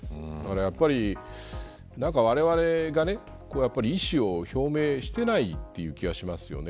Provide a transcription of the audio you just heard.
やっぱりわれわれが意思を表明していないという気がしますよね。